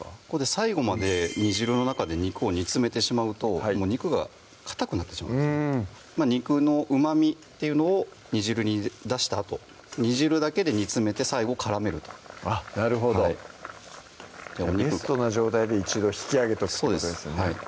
最後まで煮汁の中で肉を煮詰めてしまうと肉がかたくなってしまうんです肉のうまみっていうのを煮汁に出したあと煮汁だけで煮詰めて最後絡めるとあっなるほどベストな状態で一度引き上げとくってことですね